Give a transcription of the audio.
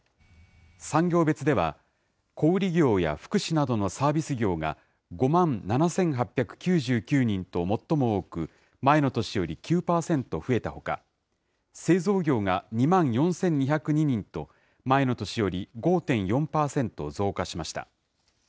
産業別では、小売り業や福祉などのサービス業が５万７８９９人と最も多く、前の年より９％増えたほか、製造業が２万４２０２人と、前の年より５．４％増加しました。